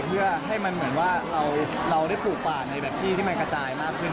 เพื่อให้มันเหมือนว่าเราได้ปลูกป่าในแบบที่ที่มันกระจายมากขึ้น